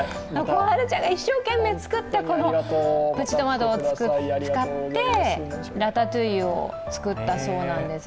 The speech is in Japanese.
心陽ちゃんが一生懸命作ったプチトマトを使ってラタトゥイユを作ったそうなんです。